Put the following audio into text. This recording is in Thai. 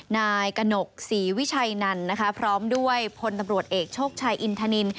นายกระหนกศรีวิชัยนันนะคะพร้อมด้วยพลตำรวจเอกโชคชัยอินทนิน